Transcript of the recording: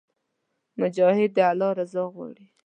مجاهد د الله رضا غواړي.